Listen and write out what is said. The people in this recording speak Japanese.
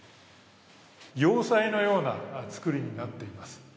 要塞のような造りになっています。